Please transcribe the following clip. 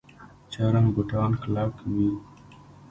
چرم بوټان کلک وي